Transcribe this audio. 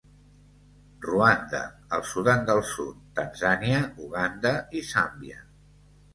Ruanda, el Sudan del Sud, Tanzània, Uganda i Zàmbia.